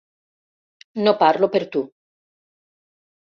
No parlo per tu!